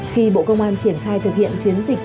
khi bộ công an triển khai thực hiện chiến dịch